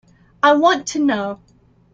I want to know.